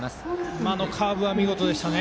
今のカーブは見事でした。